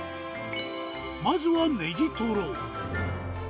まずはネギトロ。